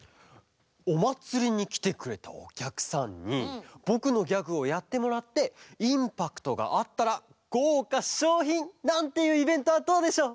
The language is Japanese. おまつりにきてくれたおきゃくさんにぼくのギャグをやってもらってインパクトがあったらごうかしょうひんなんていうイベントはどうでしょう？